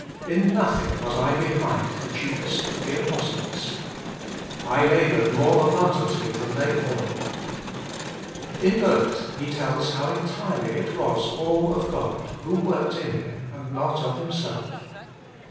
' In nothing was I behind the chiefest of the Apostles.' ' 1 laboured more abundantly than they all.' In both he tells how entirely it was all of God, who worked in Him, and not of himself.